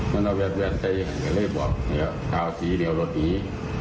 มันต้องเวียดเวียดเศรษฐ์อย่าเลยบอกเดี๋ยวขาวสีเดี๋ยวเราสี